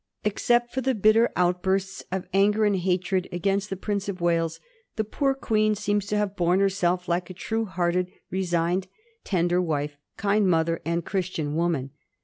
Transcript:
Except for the bitter outbursts of anger and hatred against the Prince of Wales, the poor Queen seems to have borne herself like a true hearted, resigned, tender wife, kind mother, and Christian woman.